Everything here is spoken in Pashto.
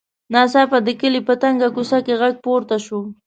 ناڅاپه د کلي په تنګه کوڅه کې غږ پورته شو.